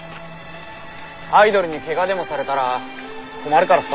アイドルにけがでもされたら困るからさ。